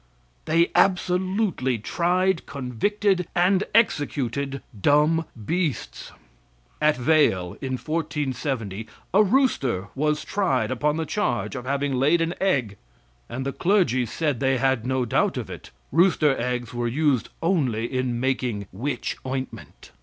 They absolutely tried, convicted and executed dumb beasts. At Vail, in 1470, a rooster was tried upon the charge of having laid an egg, and the clergy said they had no doubt of it. Rooster eggs were used only in making witch ointment.